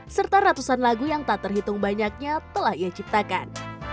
serta ratusan lagu yang tak terhitung banyaknya telah ia ciptakan